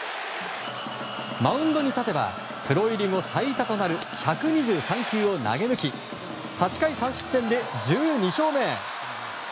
マウンドに立てばプロ入り後、最多となる１２３球を投げ抜き８回３失点で１２勝目。